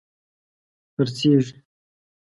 خرڅیږې